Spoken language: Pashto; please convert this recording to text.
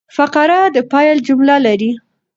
فقره د پیل جمله لري.